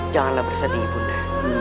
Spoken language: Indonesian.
janganlah bersedih ibu nda